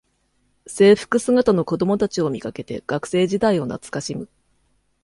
制服姿の子どもたちを見かけて学生時代を懐かしむ